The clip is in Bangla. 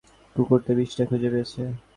কুকুরটা বিষ্ঠা খুঁজে পেয়েছে।